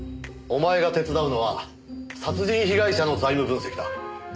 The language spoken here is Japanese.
お前が手伝うのは殺人被害者の財務分析だ。